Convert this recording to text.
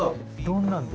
どんなの？